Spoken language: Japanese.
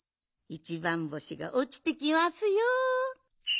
いちばんぼしがおちてきますよ。